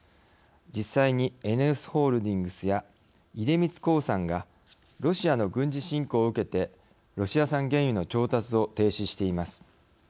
実際にＥＮＥＯＳホールディングスや出光興産がロシアの軍事侵攻を受けてロシア産原油の調達を停止しています。